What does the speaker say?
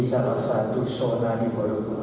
di salah satu sholat di borobudur